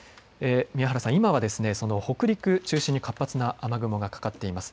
宮原さん、今は北陸中心に活発な雨雲がかかっています。